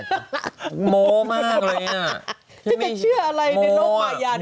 จะได้เชื่ออะไรในโลกมายานี้ได้อีก